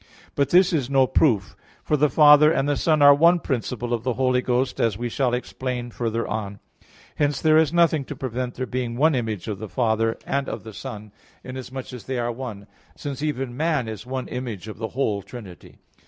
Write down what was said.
But this is no proof: for the Father and the Son are one principle of the Holy Ghost, as we shall explain further on (Q. 36, A. 4). Hence there is nothing to prevent there being one Image of the Father and of the Son, inasmuch as they are one; since even man is one image of the whole Trinity.